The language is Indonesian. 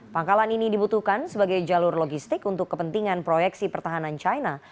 pangkalan ini dibutuhkan sebagai jalur logistik untuk kepentingan proyeksi pertahanan china